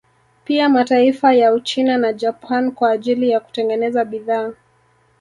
Pia mataifa ya Uchina na Japan kwa ajili ya kutengeneza bidhaa